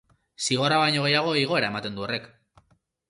Zigorra baino gehiago, igoera ematen du horrek.